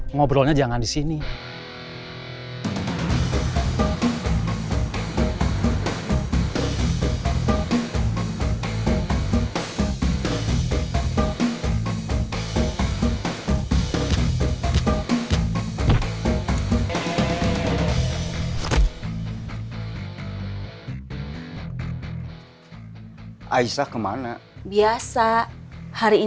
ngobrolnya jangan disini